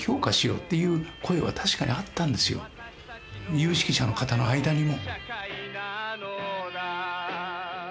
有識者の方の間にも。